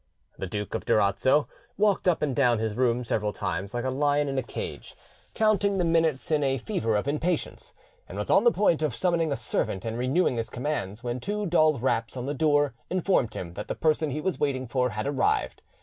The Duke of Durazzo walked up and down his room several times like a lion in a cage, counting the minutes in a fever of impatience, and was on the point of summoning a servant and renewing his commands, when two dull raps on the door informed him that the person he was waiting for had arrived.